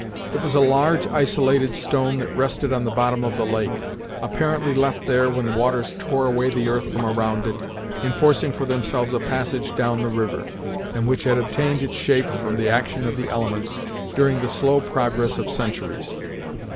It was a large, isolated stone that rested on the bottom of the lake, apparently left there when the waters tore away the earth from around it, in forcing for themselves a passage down the river, and which had obtained its shape from the action of the elements, during the slow progress of centuries.